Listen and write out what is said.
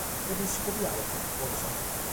Podes iscobiare carchi cosa?